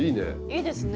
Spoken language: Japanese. いいですね。